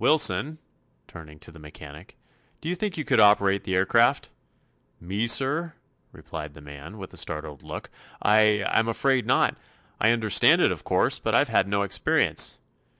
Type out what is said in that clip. "Wilson," turning to the mechanic, "do you think you could operate the aircraft?" "Me, sir?" replied the man, with a startled look; "I—I'm afraid not. I understand it, of course; but I've had no experience."